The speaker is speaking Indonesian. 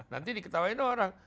nanti diketawain orang